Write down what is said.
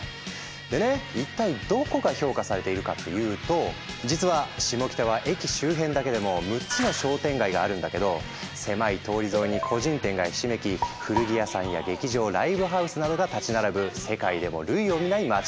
でね一体どこが評価されているかっていうと実はシモキタは駅周辺だけでも６つの商店街があるんだけど狭い通り沿いに個人店がひしめき古着屋さんや劇場ライブハウスなどが建ち並ぶ世界でも類を見ない街だそう。